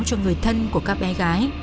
cho người thân của các bé gái